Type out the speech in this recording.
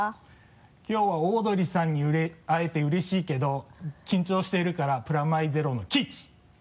きょうはオードリーさんに会えてうれしいけど緊張しているからプラマイゼロの吉！